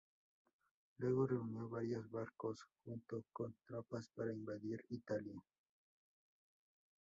Luego reunió varios barcos junto con tropas para invadir Italia.